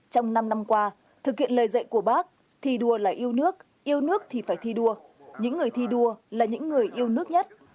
trong năm năm qua thực hiện lời dạy của bác thi đua là yêu nước yêu nước thì phải thi đua những người thi đua là những người yêu nước nhất